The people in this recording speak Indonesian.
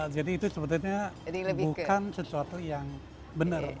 jadi itu sebetulnya bukan sesuatu yang benar